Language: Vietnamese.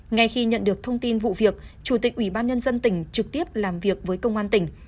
ngay khi nhận được thông tin vụ việc chủ tịch ủy ban nhân dân tỉnh trực tiếp làm việc với công an tỉnh